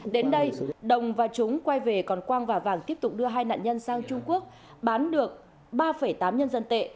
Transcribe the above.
đến đây đồng và chúng quay về còn quang và vàng tiếp tục đưa hai nạn nhân sang trung quốc bán được ba tám nhân dân tệ